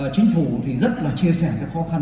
chính phủ thì rất là chia sẻ các khó khăn